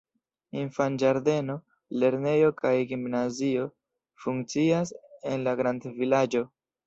Infanĝardeno, lernejo kaj gimnazio funkcias en la grandvilaĝo.